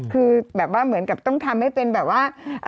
คือแบบว่าเหมือนกับต้องทำให้เป็นแบบว่า